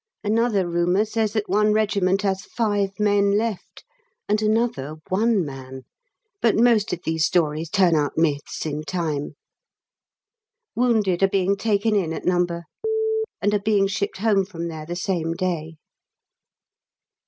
Another rumour says that one regiment has five men left, and another one man but most of these stories turn out myths in time. Wounded are being taken in at No. , and are being shipped home from there the same day.